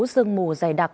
sương mù dày đặc